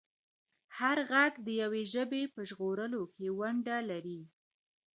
هر غږ د یوې ژبې په ژغورلو کې ونډه لري.